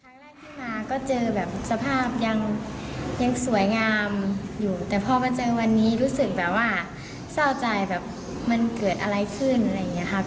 ครั้งแรกที่มาก็เจอแบบสภาพยังสวยงามอยู่แต่พอมาเจอวันนี้รู้สึกแบบว่าเศร้าใจแบบมันเกิดอะไรขึ้นอะไรอย่างนี้ครับ